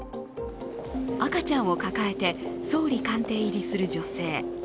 赤ちゃんを抱えて総理官邸入りする女性。